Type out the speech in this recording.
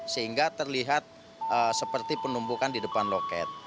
sehingga terlihat seperti penumpukan di depan loket